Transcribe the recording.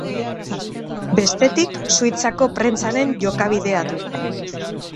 Bestetik, Suitzako prentsaren jokabidea dugu.